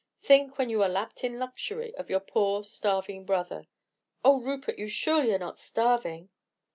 Think, when you are lapped in luxury, of your poor, starving brother." "Oh, Rupert, you surely are not starving?"